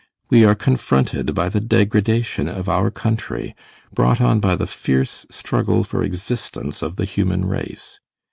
We are confronted by the degradation of our country, brought on by the fierce struggle for existence of the human race.